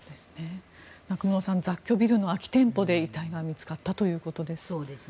中室さん雑居ビルの空き店舗で遺体が見つかったということです。